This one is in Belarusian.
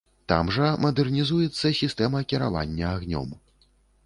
Там жа мадэрнізуецца сістэма кіравання агнём.